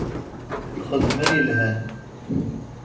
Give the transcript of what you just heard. Lxedma yelhan.